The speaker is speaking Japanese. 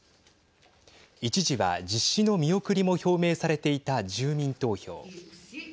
一時は、実施の見送りも表明されていた住民投票。